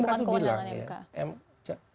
muka kewenangan mk